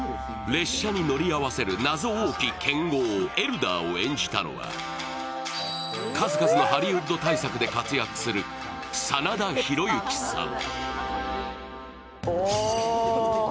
列車に乗り合わせる謎多き剣豪、エルダーを演じたのは数々のハリウッド大作で活躍する真田広之さん。